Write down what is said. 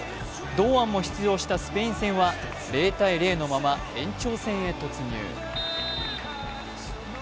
堂安も出場したスペイン戦は０−０のまま延長戦へ突入。